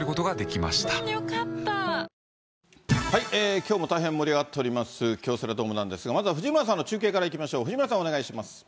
きょうも大変盛り上がっております、京セラドームなんですが、まずは藤村さんの中継から行きましょう。